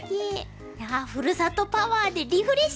いやふるさとパワーでリフレッシュ！